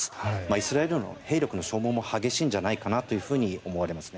イスラエル軍の兵力の消耗も激しいんじゃないかと思われますね。